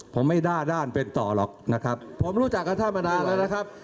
ผมไม่ด้าด้านเป็นต่อหรอกนะครับผมรู้จักกับท่านมานานแล้วนะครับ